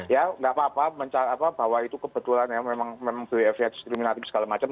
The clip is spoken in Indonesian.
ya nggak apa apa bahwa itu kebetulan ya memang bwf diskriminatif segala macam